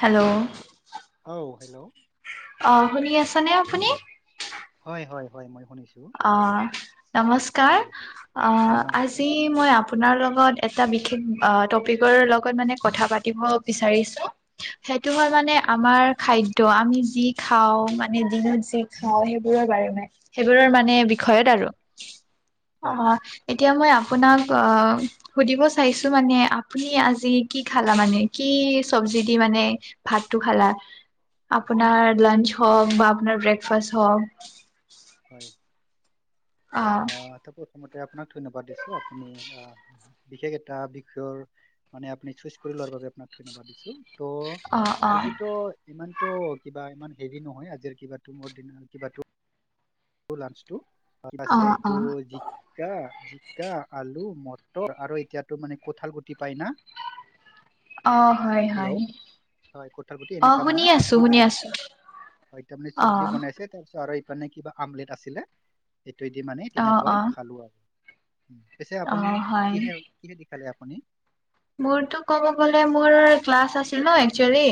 Hello! অ', hello! অ', শুনি আছানে আপুনি? হয়, হয়, হয়। মই শুনিছোঁ। অ', নমস্কাৰ। অ, নমস্কাৰ আজি আপোনালৈ মই আপোনাৰ লগত এটা বিশেষ আ টপিকৰ লগত মানে কথা পাতিব বিচাৰিছোঁ। সেইটো হ'ল মানে হয় আমাৰ খাইদ আমি যি খাওঁ মানে দিনত যি খাওঁ সেইবোৰৰ বাৰে নাই। সেইবোৰৰ মা নে বিষয়ত আৰু হয় অহ এতিয়া মই আপোনাক অহ সুধিব চাইছো মানে আপুনি আজি কি খালা মানে? কি চব্জি দি মানে ভাতটো খালা, আপোনাৰ লাঞ্চ হওক বা আপোনাৰ ব্ৰেকফাষ্ট হওক [inaudible] অ অহ ত' প্ৰথমতে আপোনাক ধন্যবাদ দিছো। আপুনি আ বিশেষ এটা বিষয়ৰ মানে আপনি চুইচ কৰি লোৱাৰ বাবে আপোনাক ধন্যবাদ দিছোঁ। ত' অ', অ', আজিতো ইমানটো কিবা ইমান হেৰি নহয় আজিৰ কিবাটো মোৰ দিনৰ কিবাটো লাঞ্চটো আ [unintelligible] আছে অ', এইটো অ', জি কা জিকা আলু মটৰ আৰু এতিয়াতো মানে কঁঠাল গুটি পাই না [inaudible] অ', হয়, হয়। হেল্ল' হয় কঁঠাল গুটি অ' শুনি আছো, শুনি আছো। হয় তামানে চব্জি অ', বনাইছে তাৰপিছত আৰু এই মানে কিবা আমলেট আছিলে, সেইটোৱেদি মানে অ', তেনেকুৱাই অ', খালো আৰু উম। পিছে আপুনি অ', হয়। কিহে কিহে দি খালে আপুনি? মোৰতো ক'ব গ'লে মোৰ ক্লাছ আছিল ন একচুৱেলি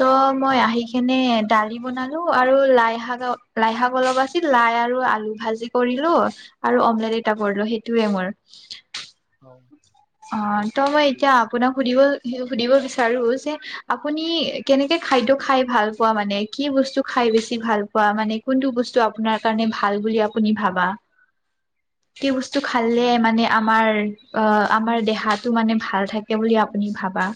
ত' মই হয় আহি কিনে দালি বনালো আৰু লাই শাক লাই শাক অলপ আছিল। লাই আৰু আলু ভাজি কৰিলো আৰু অমলেট এটা কৰিলো। সেইটোৱে মোৰ অ'। অ' ত' মই ঠিক এতিয়া আছে আপোনাক সুধিব সুধিব বিচাৰো যে আপুনি কেনেকে খাদ্য খাই ভাল পোৱা মানে? কি বস্তু খাই বেছি ভাল পোৱা মানে কোনটো বস্তু আপোনাৰ কাৰণে ভাল বুলি আপুনি ভাবা? কি বস্তু খালে মানে আমাৰ আ আমাৰ দেহাটো মানে ভাল থাকে বুলি আপুনি ভাবা?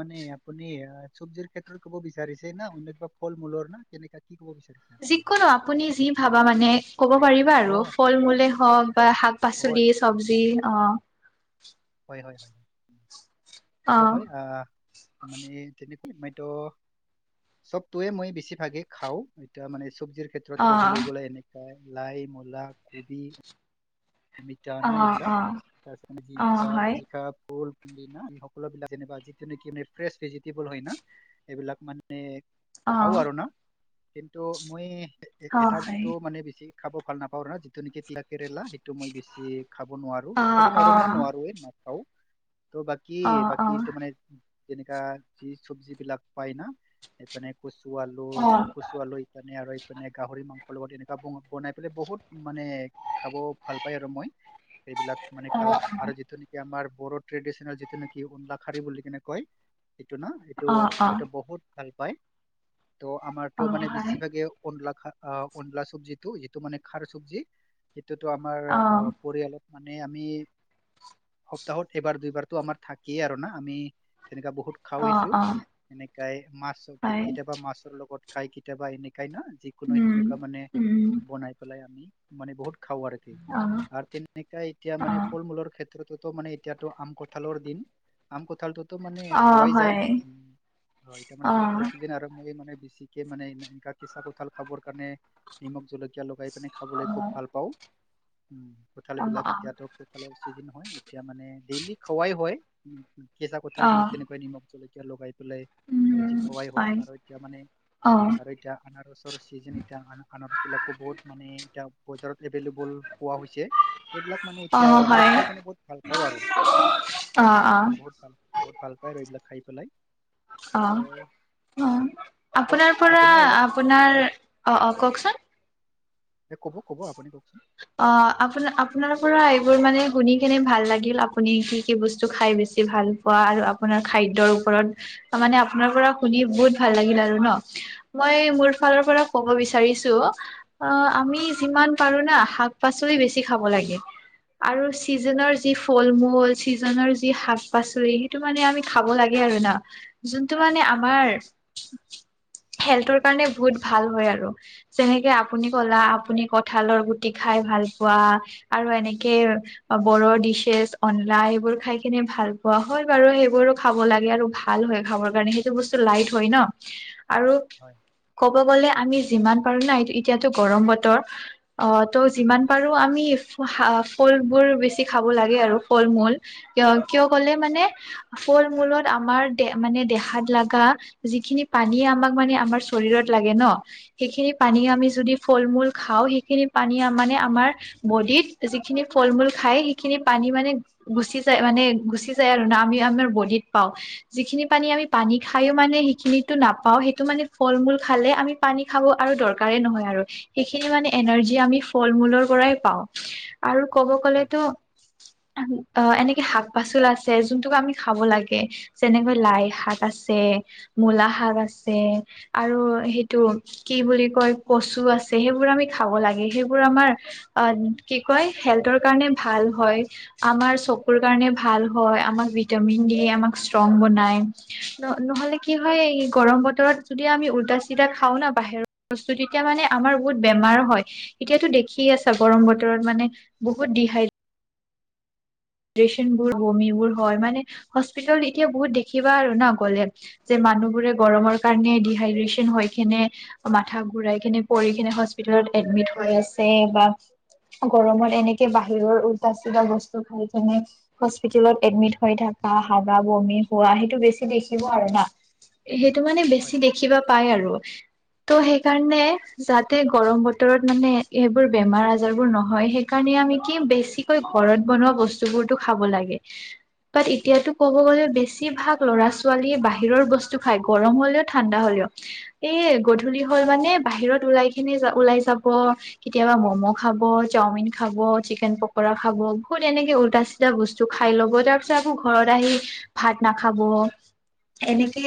মানে আপুনি আ চব্জিৰ ক্ষেত্ৰত ক'ব বিচাৰিছে না, অন্য কিবা ফল-মূলৰ না, কেনেকা কি ক'ব বিচাৰিছে? আপুনি যিকোনো আপুনি যি ভাবা মানে ক'ব পাৰিবা অ আৰু আচ্ছা, ফল-মূলে হওঁক বা অ শাক-পাচলি আচ্ছা, চব্জি অ। হয়-হয়-হয়। অ ত' হয় আহ মানে তেনেকৈ মইতো চবতোৱে মই বেছিভাগে খাওঁ এতিয়া মানে চব্জিৰ ক্ষে অ ত্ৰত ক'বলৈ গ'লে এনেকুৱা লাই, মূলা, কবি, অমিতা অ না এইবিলাক অ তাৰপিছত অ জিলকা, হয় জিকা, ভোল, না সকলো বিলাক যেনেকুৱা যিটো নেকি ফ্ৰেছ ভেজিটেবল হয় না এইবিলাক মানে অ খাওঁ আৰু না কিন্তু মই অ এ-এটা হয় বস্তু মানে বেছি খাব ভাল নাপাওঁ আৰু না, যিটো নেকি তিতা কেৰেলা এইটো মই বেছি খাব নোৱাৰো, অ খাব অ নোৱাৰো মানে নোৱাৰোৱে নাখাও ত' বাকী অ বাকী অ এতিয়া মানে যেনেকা যি চব্জি বিলাক পাই না, ইপিনে কচু আলু, কচু আলু ইপিনে আৰু এইপিনে গাহৰি মাংসৰ লগত এনেকুৱা ব-বনাই পেলাই বহুত মানে খাব ভাল পাই আৰু মই সেইবিলাক মানে খাবা আৰু যিটো নে কি আমাৰ বড়োৰ ট্ৰেডিচনেল যিটো নেকি অনলা খাৰৈ বুলি কেনে কয় এইটো না এইটো মইতো বহুত ভাল পাই, ত' আমাৰতো মানে বেছিভাগে অনলা খা আ অনলা চব্জিটো যিটো মানে খাৰ চব্জি যিটো টো আমাৰ অ পৰিয়ালত মানে আমি সপ্তাহত এবাৰ দুইবাৰতো আমাৰ থাকিয়েই আৰু না আমি তেনেকুৱা বহুত খাওঁ সেইটো, এনেকুৱাই মাছ হয় কে-কেতিয়াবা মাছৰ লগত খাই কেতিয়াবা এনেকুৱাই না যি কোনো এনেকুৱা মানে বনাই পেলাই আমি মানে বহুত খাওঁ আৰু কি, আৰু তেনেকা এতিয়া মানে ফুল-মূলৰ ক্ষেত ক্ষেত্ৰতো মানে এতিয়াতো আম কঁঠালৰ দিন, আম কঁঠালটো ত মানে খোৱাই যায়, উম অ এতিয়া মানে কঁঠাল চিজন আৰু মই মানে বেছি মানে এ এনেকা কেঁচা কঁঠাল খাবৰ কাৰণে নিমখ জলকীয়া লগাই পিনে খাবলৈ খুব ভাল পাওঁ। উম কঁঠাল বিলাক এতিয়াতো কোঁঠালৰ চিজিন হয় এতিয়া মানে ডেইলি খোৱাই হয়। কেঁচা কঁঠাল মানে তেনেকুৱৈ নিমখ জলকীয়া লগাই পেলাই খুৱাই হয় আৰু এতিয়া মানে অ আৰু এতিয়া আনাৰসৰ চিজন এতিয়া আ-আনাৰস বিলাকো বহুত মানে এতিয়া বজাৰত এভেইলেবল পোৱা হৈছে। সেইবিলাক মানে অ এতিয়া মই খাই কিনে বহুত ভাল পাওঁ আৰু, অ বহুত ভাল বহুত ভাল পায় আৰু এইবিলাক খাই পেলাই। অ ত' অ আপ আপোনাৰ পৰা আপুনিও অলপ আপোনাৰ হয় অ অ কওকচোন। এ ক'ব ক'ব আপুনি কওকচোন। অ আপোন-আপোনা পৰা এইবোৰ মানে শুনি কেনে ভাল লাগিল আপুনি কি কি বস্তু খাই বেছি ভাল পৰা আৰু খাদ্যৰ ওপৰত, মানে পৰা শুনি বহুত ভাল লাগিল আৰু ন মই হয় মোৰ ফালৰ পৰা ক'ব বিচাৰিছো অ আমি পাৰুনা শাক-পাচলি বেছি খাব লাগে আৰু চিকেনৰ যি হয় ফল-মূল চিজনৰ যি শাক-পাচলি সেইটো মানে আমি খাব লাগে আৰু না। যোনটো মানে হয় আমাৰ হেল্থৰ কাৰণে বহুত ভাল হয় আৰু যেনেকে আপুনি ক'লা আপুনি কঁঠালৰ গুটি খাই ভাল পোৱা আৰু এনেকে বড়ৰ ডিছেছ, অনলা এইবোৰ খাই কিনে ভাল পোৱা হয় বাৰু সেইবোৰো খাব লাগে আৰু ভাল হয় খাবৰ কাৰণে সেইটো হয় ন আৰু হয়। ক'ব গ'লে, আমি যিমান পাৰো ন, এতিয়াতো গৰম বতৰ অ, ত', যিমান পাৰো আমি ফুলবোৰ বেছি খাব লাগে আৰু, ফল-মূল। কিয়, কিয় ক'লে মানে ফল-মূলত আমাৰ দে মানে দেহাত লাগা যিখিনি পানী আমাক মানে আমাৰ শৰীৰত লাগে ন, সেইখিনি পানী হয় আমি যদি ফল-মূল খাওঁ, সেইখিনি পানী মানে আমাৰ বডিত যিখিনি ফল-মূল খায়, সেইখিনি পানী মানে গুচি যায় মানে, গুচি যায় আৰু না, আমি আমাৰ বডিত পাওঁ। যিখিনি পানী আমি পানী খায়ো মানে সেইখিনিতো নাপাও, সেইটো মানে ফল-মূল খালে আমি পানী খাব আৰু দৰকাৰেই নহয় আৰু। সেইখিনি মানে এনাৰ্জি আমি ফল-মূলৰ পৰাই পাওঁ, আৰু ক'ব হয় গ'লেতো অ, এনেকে শাক-পাচল আছে, যোনতোক আমি খাব লাগে। যেনেকৈ লাই শাক আছে মূলা শাক আছে, আৰু সেইটো কি বুলি কয় আছে কচু সেইবোৰ আমি খাব লাগে, সেইবোৰ আমাৰ কি কয় হেল্থৰ কাৰণে ভাল হয়। আমাৰ চকুৰ কাৰণে ভাল হয়, আমাক ভিটামিন দিয়ে, আমাক ষ্ট্ৰং বনাই। ন, নহ'লে কি হয়, এই গৰম বতৰত যদি আমি উল্ট-চিল্টা খাও না বাহিৰৰ বস্তু, তেতিয়া মানে আমাৰ বহুত বেমাৰ হয়, এতিয়াতো দেখিয়ে আছা, গৰম বতৰত মানে বহুত ডিহাইড ড্ৰেচন বোৰ, বমিবোৰ হয়, মানে হস্পিতলত এতিয়া বহুত দেখিবা আৰু ন গ'লে যে মানুহবোৰে গৰমৰ কাৰণে ডিহাইড্ৰেচন হৈ কিনে মাথা ঘুৰাই কিনে, পৰি কিনে, হস্পিতালত এডমিট হৈ আছে, বা গৰমত এনেকে বাহিৰৰ উলটা-চিদা বস্তু খাই কিনে হস্পিতেলত এডমিট হৈ থকা, হাগা, বমি হোৱা, সেইটো বেছি দেখিব আৰু না। সেইটো মানে হয় বেছি দেখিবা পায় আৰু। ত', সেইকাৰণে, যাতে গৰম বতৰত মানে এইবোৰ বেমাৰ-আজাৰ বোৰ নহয়, সেই কাৰণে আমি কি, বেছিকৈ ঘৰত বনোৱা বস্তু বোৰতো খাব লাগে। বাট এতিয়াতো ক'ব গ'লে, বেছিভাগ ল'ৰা-ছোৱালীয়ে বাহিৰৰ বস্তু খাই, গৰম হ'লেও ঠাণ্ডা হ'লেও। এই গধূলি হয় মানে, বাহিৰত ওলাই কিনে, ওলাই যাব কেতিয়াবা ম'ম' খাব, চাওমিন খাব, চিকেন পকৰা খাব, বহুত এনেকে উলটা-চিধা বস্তু খাই ল'ব, তাৰ পিছত আকৌ ঘৰত আহি ভাত নাখাব। এনেকে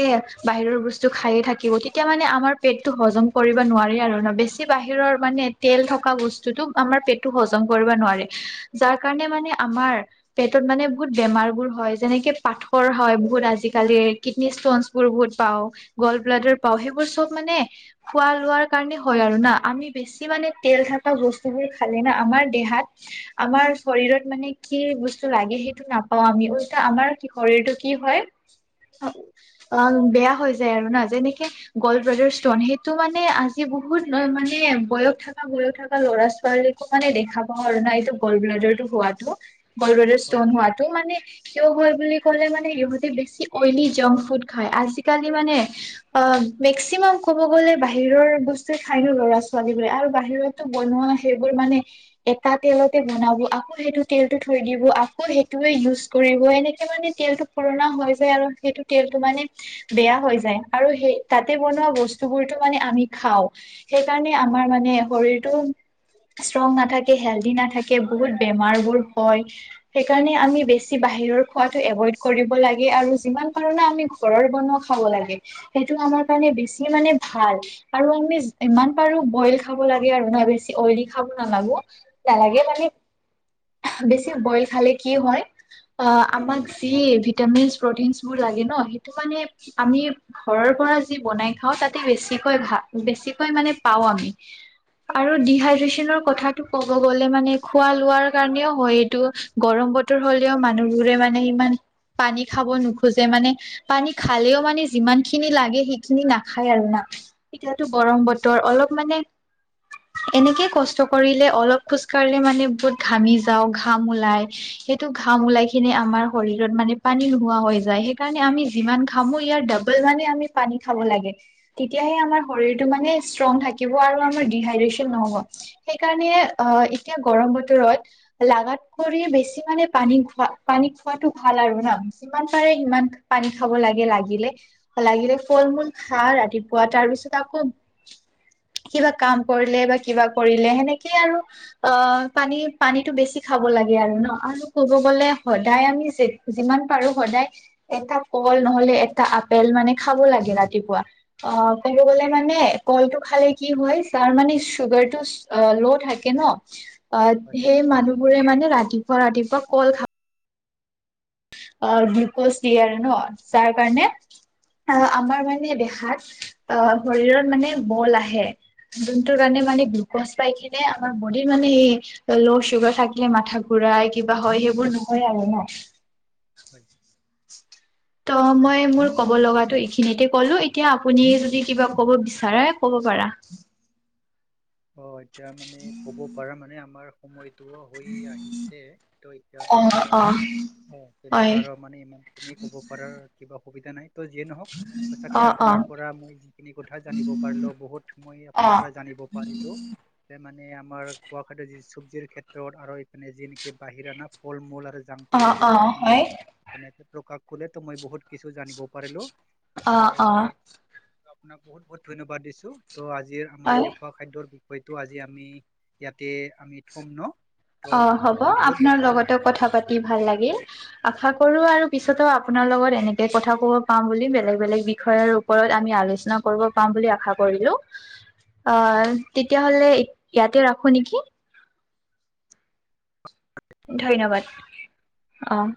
বাহিৰৰ বস্তু খায়ে থাকিব, তেতিয়া মানে আমাৰ পেটটো হজম কৰিব নোৱাৰে আৰু ন, বেছি বাহিৰৰ মানে তেল থকা বস্তুটো আমাৰ পেটটো হজম কৰিব নোৱাৰে। যাৰ কাৰণে মানে আমাৰ পেটত মানে বহুত বেমাৰ বোৰ হয়, যেনেকে পাথৰ হয় বহুত আজিকালি। কিডনী ষ্টনছ বোৰ বহুত পাওঁ, গল্ড ব্লাডৰ পাওঁ, সেইবোৰ চব মানে খোৱা লোৱাৰ কাৰণে হয় আৰু না! আমি বেছি মানে তেল থাকা বস্তুবোৰ খালে না, আমাৰ দেহাত আমাৰ শৰীৰত মানে কি বস্তু লাগে, সেইটো নাপাও আমি, উল্টা আমাৰ শৰীৰটো কি হয় অম, বেয়া হৈ যায় আৰু না‌! যেনেকে গ'ল্ড ব্ৰডাৰ ষ্টন, সেইটো মানে আজি বহুত মানে বয়স থাকা, বয়স থাকা, ল'ৰা-ছোৱালীৰ মানে দেখা পাওঁ আৰু না, এইটো গল্ড ব্লাডাৰটো হোৱাটো, গল্ড ব্লাডাৰ হয় ষ্টন হোৱাটো, মানে কিয় হয় বুলি ক'লে মানে, ইহঁতে বেছি অইলী জাংক ফুড খায়। আজিকালি মানে অহ, মেক্সিমাম ক'ব গ'লে, বাহিৰৰ বস্তুৱে খাই ন ল'ৰা-ছোৱালী বোৰে, আৰু বাহিৰত বনোৱা, সেইবোৰ মানে এটা তেলতে বনাব, আকৌ সেইটো তেলটো থৈ দিব, আকৌ সেইটোৱে ইউজ কৰিব, এনেকে মানে তেলটো পুৰণা হৈ যায়, আৰু সেইটো তেলটো মানে বেয়া হৈ যায়। আৰু সেই তাতে বনোৱা বস্তু বোৰতো মানে আমি খাওঁ। সেইকাৰণে আমাৰ মানে শৰীৰটো- ষ্ট্ৰং নাথাকে হেল্ডি নাথাকে বহুত বেমাৰবোৰ হয়। সেই কাৰণে আমি বেছি বাহিৰৰ খোৱাটো এভইড কৰিব লাগে, আৰু যিমান পাৰোনা আমি- ঘৰৰ বনোৱা খাব লাগে, সেইটো আমাৰ কাৰণে বেছি মানে ভাল। আৰু আমি যিমান পাৰো বইল খাবো লাগে আৰু না বেছি অইলি খাব নালাগো। নালাগে মানে- বেছি বয়েল খালে কি হয়? অঁ আমাক যি ভিটামিনচ প্ৰটিনচ বোৰ লাগে ন, সেইটো মানে আমি- ঘৰৰ পৰা যি বনাই খাওঁ, তাতে বেছিকৈ ভা বেছিকৈ মানে পাওঁ আমি। আৰু ডিহাইড্ৰেচনৰ কথাটো ক'ব গ'লে মানে খোৱা লোৱাৰ কাৰণেও- হয় এইটো, গৰম বতৰ হ'লেও মানুহবোৰে মানে ইমান পানী খাব নোখোজে মানে- পানী খালেও মানে যিমান খিনি লাগে সেইখিনি নাখায় আৰু না, এতিয়াতো গৰম বত- তৰ অলপ মানে- এনেকে কষ্ট কৰিলে অলপ খোজ কঢ়িলে মানে বহুত ঘামি- যাওঁ ঘাম ওলাই, সেইটো ঘাম ওলাই কিনে আমাৰ শৰীৰত মানে পানী নোহোৱা হৈ যায়। সেইকাৰণে আমি যিমান ঘামো ইয়াৰ ডাবল মানে আমি পানী খাব লাগে। তেতিয়াহে আমাৰ শৰীৰটো মানে ষ্ট্ৰং থাক- কিব আৰু আমাৰ ডিহাইড্ৰেচন নহ'ব সেইকাৰণে অঁহ এতিয়া গৰম বতৰত- লাগাত কৰি বেছি মানে পানী খোৱা পানী খোৱাটো ভাল আৰু ন, যিমান পাৰে সিমান- পানী খাব লাগে লাগিলে, লাগিলে ফল মূল খা ৰাতিপুৱা তাৰ পিছত আকৌ- কিবা কাম কৰিলে বা কিবা কৰিলে সেনেকেই আৰু অঁহ পানী পানীত- টো বেছি খাব লাগে আৰু ন আৰু ক'ব গ'লে, সদায় আমি যিমান পাৰো সদায়- একটা কল নহলে একটা আপেল মানে খাব লাগে ৰাতিপুৱা। অঁহ ক'ব গলে মানে কলটো খালে কি হয়? যাৰ মানে চুগাৰটো অহ লো থাকে ন, - অঁ হয় হয় সেই মানুহ বোৰে মানে ৰাতিপুৱা ৰাতিপুৱা কল খাব- অঁহ গ্লুক'জ দিয়ে আৰু ন, যাৰ কাৰণে- অঁহ আমাৰ মানে দেহাত অঁহ শৰীৰত মানে বল আহে। যোনটোৰ কাৰণে মানে গ্লুকজ পাই কিনে আমাৰ বডীৰ মানে এই- ল' চুগাৰ থাকিলে মাথা ঘূৰাই কিবা হয় সেইবোৰ নহয় আৰু ন'? হয়। ত' মই মোৰ কব লগাটো এইখিনিতে ক'লো এতিয়া আপুনি যদি কিবা ক'ব বিচাৰে ক'ব পাৰা। অ' এতিয়া মানে ক'ব পাৰা মানে আমাৰ- সময়টো হৈ আহিছে, ত' এতিয়াতো অ', আমাৰ- অ', অঁ' হয়, তেনেকা আৰু মানে ইমান খিনি ক'ব পাৰ কিবা অসুবিধা নাই ত' যিয়ে নহক- সচাকে অ', অ', আপোনাৰ পৰা মই যিখিনি কথা জানিব পাৰিলো বহুত মই আপোনাৰ অ', পৰা জানিব পাৰিলো। মানে আমাৰ খোৱা খাদ্যৰ যি চব্জিৰ ক্ষেত্ৰত আৰু এইপিনে যি নিকি বাহিৰা না ফল মূল আৰু- জাংক অ', ফুডৰ অ বিষয়ে আপুনি- হয়, ধুনীয়াকে প্ৰকাশ কৰিলে তো মই বহুত কিছু জানিব পাৰিলো। চ'- অ', অ', ত' আপোনাক বহুত বহুত ধন্যবাদ দিছো। ত' আজিৰ আমাৰ হয়। যি- খোৱা খাদ্যৰ বিষয়টো আজি আমি ইয়াতে আমি থম ন'। ত' অঁ' হ'ব আপোনাক বহুত বহুত আপোনাৰ ধন্যবাদ লগতেও কথা পাতি ভাল লাগিল। আশা কৰো আৰু পিছতো আপোনাৰ লগত এনেকে কথা ক'ব পাম বুলি বেলেগ বেলেগ বিষয়ৰ- ওপৰত আমি আলোচনা কৰিব পাৰিম বুলি আশা কৰিলো। অঅ' তেতিয়াহ'লে ইয়াতে ৰাখো নিকি? ধন্যবাদ অ'